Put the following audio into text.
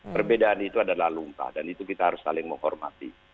perbedaan itu adalah lumpah dan itu kita harus saling menghormati